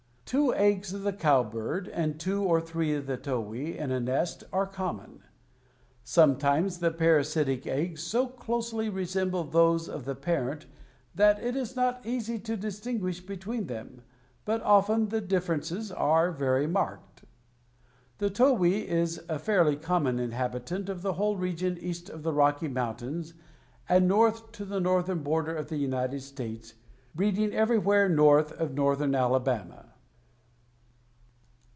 Two eggs of the cowbird and two or three of the towhee in a nest are common. Sometimes the parasitic eggs so closely resemble those of the parent that it is not easy to distinguish between them, but often the difference is very marked. The towhee is a fairly common inhabitant of the whole region east of the Rocky Mountains and north to the northern border of the United States, breeding everywhere north of northern Alabama.